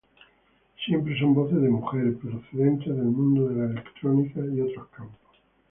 Siempre son voces de mujer, procedentes del mundo de la electrónica y otros campos.